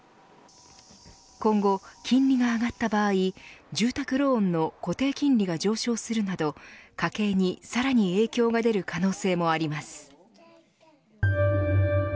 今後、金利が上がった場合住宅ローンの固定金利が上昇するなど家計にさらに影響が出る可能性もあります。